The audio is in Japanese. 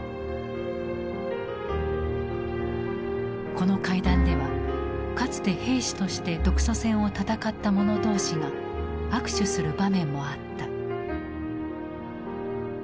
この会談ではかつて兵士として独ソ戦を戦った者同士が握手する場面もあった。